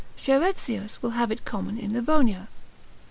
Scheretzius will have it common in Livonia.